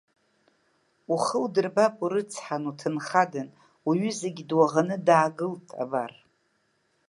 Ухы удырбап урыцҳан, уҭынхадан, уҩызагь дуаӷаны даагылт, абар.